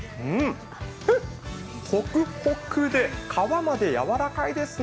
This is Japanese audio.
うん、ホクホクで皮まで柔らかいですね。